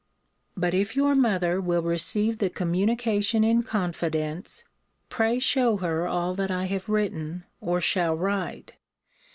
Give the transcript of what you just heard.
But, if your mother will receive the communication in confidence, pray shew her all that I have written, or shall write.